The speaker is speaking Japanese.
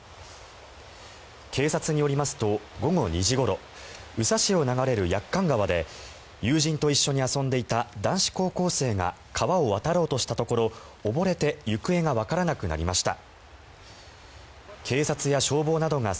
警察によりますと午後２時ごろ宇佐市を流れる駅館川で友人と一緒に遊んでいた男子高校生が川を渡ろうとしたところ溺れて行方がわからなくなりました。